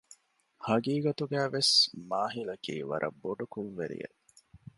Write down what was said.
ހަގީގަތުގައިވެސް މާހިލަކީ ވަރަށް ބޮޑު ކުށްވެރިއެއް